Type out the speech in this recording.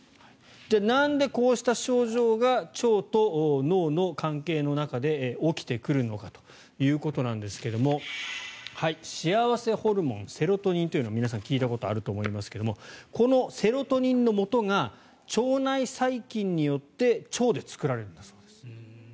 なんでこうした症状が腸と脳の関係の中で起きてくるのかということですが幸せホルモンセロトニンというのを皆さん聞いたことがあると思いますがこのセロトニンのもとが腸内細菌によって腸で作られるんだそうです。